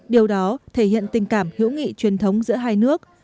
điều đó thể hiện tình cảm hữu nghị truyền thống giữa hai nước